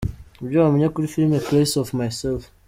Ibyo wamenya kuri filime �?A Place for Myself’.